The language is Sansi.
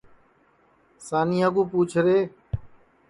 سانیا کُا پُوچھ رے